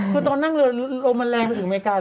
คุณโตนั่งโลมแรงไปถึงไหมกัน